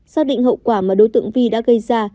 xác định hậu quả mà đối tượng vi đã gây ra